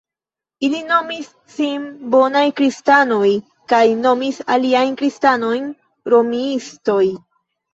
Ili nomis sin "Bonaj Kristanoj" kaj nomis aliajn kristanojn "Romiistoj".